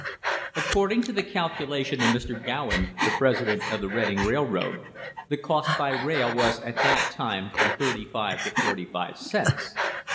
According to the calculation of Mr. Gowen, the president of the Reading Railroad, the cost by rail was at that time from thirty five to forty five cents.